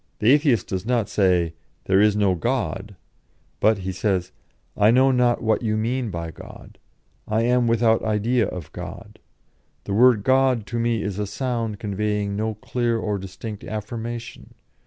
'The Atheist does not say "There is no God," but he says, "I know not what you mean by God; I am without idea of God; the word God is to me a sound conveying no clear or distinct affirmation.